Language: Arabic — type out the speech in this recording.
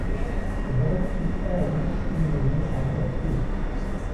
أدركت الآن أنني عبثت.